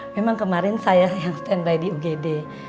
memang kemarin saya yang standby di ugd